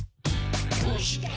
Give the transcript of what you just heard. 「どうして？